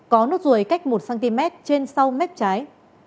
có nốt ruồi cách một cm trên sau mép trái